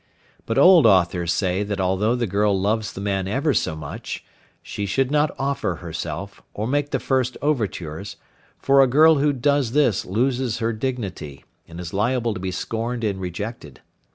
But old authors say that although the girl loves the man ever so much, she should not offer herself, or make the first overtures, for a girl who does this loses her dignity, and is liable to be scorned and rejected.